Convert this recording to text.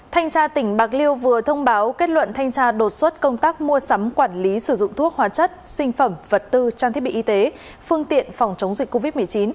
thanh tra tỉnh bạc liêu vừa thông báo kết luận thanh tra đột xuất công tác mua sắm quản lý sử dụng thuốc hóa chất sinh phẩm vật tư trang thiết bị y tế phương tiện phòng chống dịch covid một mươi chín